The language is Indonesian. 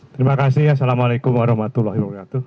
terima kasih assalamualaikum warahmatullahi wabarakatuh